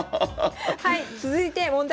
続いて問題